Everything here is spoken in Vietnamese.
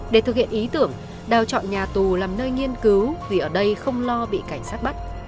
để thực hiện ý tưởng đào chọn nhà tù làm nơi nghiên cứu vì ở đây không lo bị cảnh sát bắt